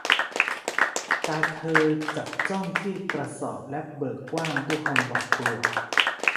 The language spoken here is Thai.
ตาเธอจับจ้องที่กระสอบและเบิกกว้างด้วยความหวาดกลัว